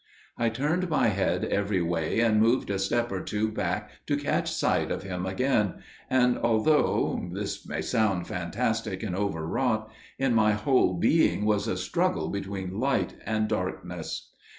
"I turned my head every way and moved a step or two back to catch sight of him again, and, although, this may sound fantastic and overwrought, in my whole being was a struggle between light and darkness.